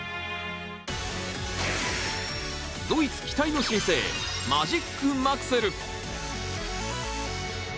ドイツ期待の新星マジック・マクセル。